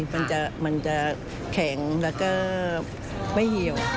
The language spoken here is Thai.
มันจะแข็งแล้วก็ไม่เหี่ยว